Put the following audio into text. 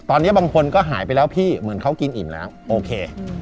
ตอนนี้บางคนก็หายไปแล้วพี่เหมือนเขากินอิ่มแล้วโอเค